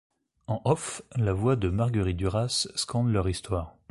En off, la voix de Marguerite Duras scande leur histoire.